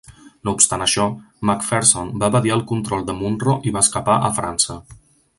No obstant això, Macpherson va evadir el control de Munro i va escapar a França.